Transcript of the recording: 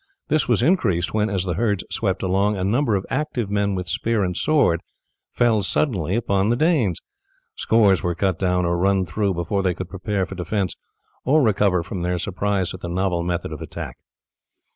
This was increased when, as the herds swept along, a number of active men with spear and sword fell suddenly upon them. Scores were cut down or run through before they could prepare for defence, or recover from their surprise at the novel method of attack.